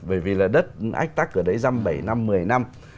bởi vì là đất ách tắc ở đấy dăm bảy năm mười năm